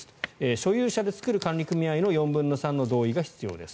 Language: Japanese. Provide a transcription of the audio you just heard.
所有者で作る管理組合の４分の３の同意が必要です。